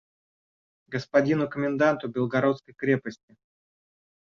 «Господину коменданту Белогорской крепости